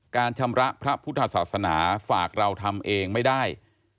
ชำระพระพุทธศาสนาฝากเราทำเองไม่ได้